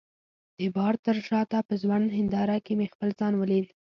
د بار تر شاته په ځوړند هنداره کي مې خپل ځان ولید.